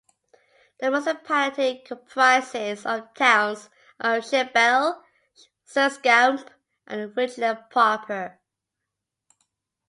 The municipality comprises the towns of Schellebelle, Serskamp and Wichelen proper.